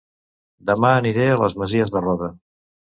Dema aniré a Les Masies de Roda